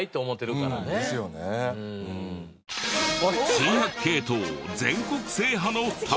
珍百景党全国制覇の旅！